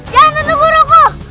jangan tentu guruku